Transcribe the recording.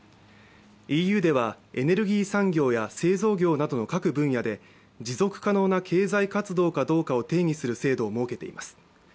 ＥＵではエネルギー産業や製造業などの各分野で持続可能な経済活動かどうかを定義する制度を設けています。